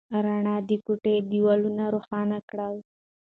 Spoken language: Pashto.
رڼا د کوټې دیوالونه روښانه کړل.